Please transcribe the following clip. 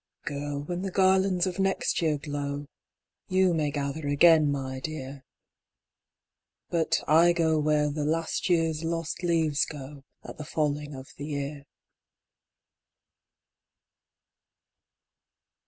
Girl! when the garlands of next year glow, YOU may gather again, my dear But I go where the last year's lost leaves go At the falling of the year."